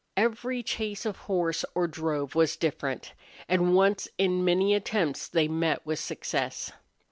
Every chase of horse or drove was different; and once in many attempts they met with success.